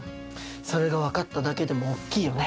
それが分かっただけでも大っきいよね。